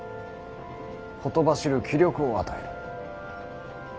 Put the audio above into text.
ほとばしる気力を与える。